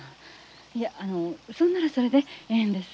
いやあのそんならそれでええんです。